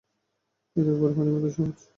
একেবারে পানির মতো সহজ!